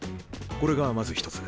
これがまず一つ。